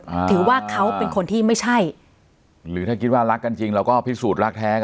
อ่าถือว่าเขาเป็นคนที่ไม่ใช่หรือถ้าคิดว่ารักกันจริงเราก็พิสูจน์รักแท้งอ่ะ